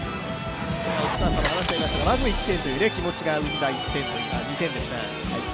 まず１点という気持ちが生んだ２点でした。